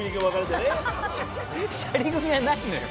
シャリ組はないのよ。